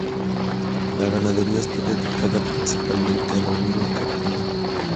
La ganadería está dedicada principalmente al ovino y caprino.